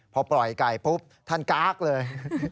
พอปล่อยไก่ปุ๊บท่านก๊ากเลย